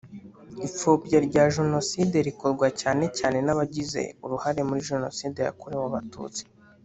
Ipfobya rya Jenoside rikorwa cyane cyane n’abagize uruhare muri Jenoside yakorewe Abatutsi